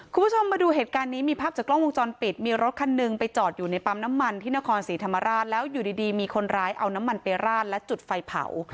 คุณผู้ชมมาดูเหตุการณ์นี้มีภาพจากกล้องวงจรปิดมีรถคันหนึ่งไปจอดอยู่ในปั๊มน้ำมันที่นครศรีธรรมราชแล้วอยู่ดีมีคนร้ายเอาน้ำมันไปราดและจุดไฟเผา